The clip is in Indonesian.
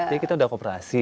jadi kita sudah kooperasi